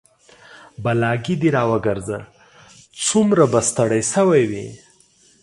بلاګي د راوګرځه سومره به ستړى شوى وي